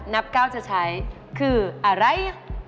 นับก้าวจะใช้คืออะไร